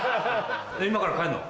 今から帰んの？